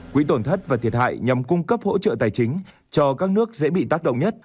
quỹ tổn thất và thiệt hại nhằm cung cấp hỗ trợ tài chính cho các nước dễ bị tác động nhất